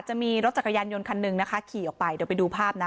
จะมีรถจักรยานยนต์คันหนึ่งนะคะขี่ออกไปเดี๋ยวไปดูภาพนะ